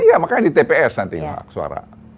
iya makanya di tps nantinya hak suara